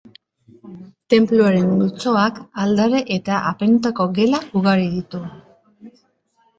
Tenpluaren multzoak, aldare eta apaindutako gela ugari ditu.